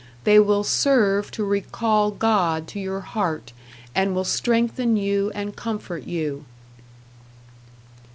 They will serve to recall God to your heart and will strengthen you and comfort you.